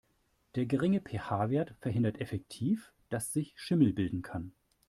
Der geringe PH-Wert verhindert effektiv, dass sich Schimmel bilden kann.